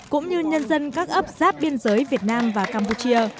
cũng như nhân dân các ấp giáp biên giới việt nam và campuchia